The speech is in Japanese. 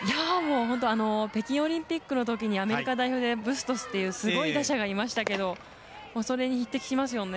北京オリンピックのときにアメリカ代表にブスポスというすごい打者がいましたけどそれに匹敵しますよね。